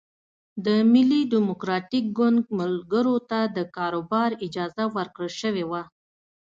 د ملي ډیموکراتیک ګوند ملګرو ته د کاروبار اجازه ورکړل شوې وه.